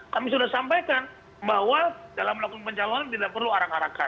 kami sudah sampaikan bahwa dalam melakukan pencalonan tidak perlu arak arakan